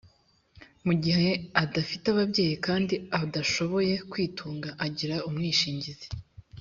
mu gihe adafite ababyeyi kandi adashoboye kwitunga agira umwishingizi